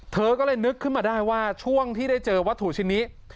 เธอก็เลยนึกขึ้นมาได้ว่าช่วงที่ได้เจอวัตถุชิ้นนี้